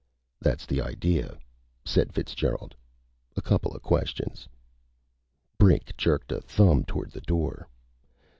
"That's the idea," said Fitzgerald. "A coupla questions." Brink jerked a thumb toward a door.